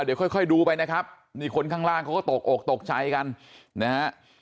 เดี๋ยวค่อยดูไปนะครับนี่คนข้างล่างเขาก็ตกอกตกใจกันนะฮะ